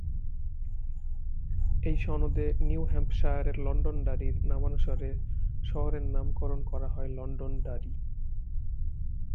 এই সনদে নিউ হ্যাম্পশায়ারের লন্ডনডারির নামানুসারে শহরের নামকরণ করা হয় লন্ডনডারি।